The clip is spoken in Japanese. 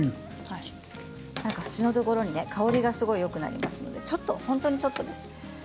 縁のところに香りがすごくよくなりますので本当にちょっとです。